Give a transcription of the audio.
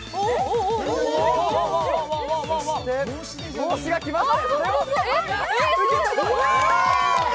帽子が来ました。